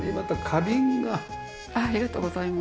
ありがとうございます。